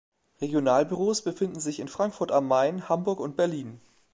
Regionalbüros befinden sich in Frankfurt am Main, Hamburg und Berlin.